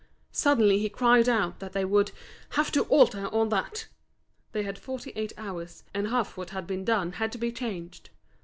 Suddenly he cried out that they would "have to alter all that." They had forty eight hours, and half what had been done had to be changed.